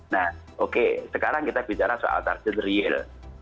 nah oke sekarang kita bicara soal target real